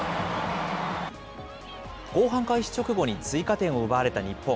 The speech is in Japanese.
後半開始直後に追加点を奪われた日本。